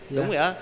đúng rồi ạ